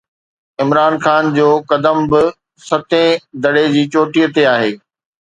عمران خان جو قدم به ستين دڙي جي چوٽي تي آهي.